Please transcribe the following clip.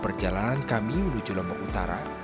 perjalanan kami menuju lombok utara